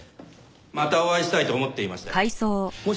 またお会いしたいと思っていましたよ。